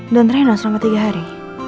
dan rino selama tiga hari